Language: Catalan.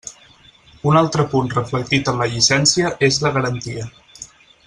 Un altre punt reflectit en la llicència és la garantia.